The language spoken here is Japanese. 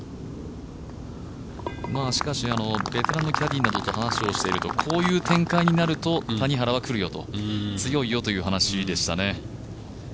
しかし、ベテランのキャディーなどと話をしているとこういう展開になると谷原は来るよと強いよという話でしたね。